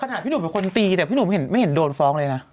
พี่หนุ่มเป็นคนตีแต่พี่หนุ่มเห็นไม่เห็นโดนฟ้องเลยนะ